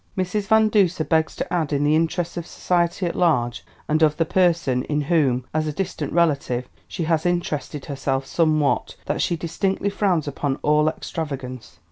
"Mrs. Van Duser begs to add in the interests of society at large and of the person in whom, as a distant relative, she has interested herself somewhat, that she distinctly frowns upon all extravagance.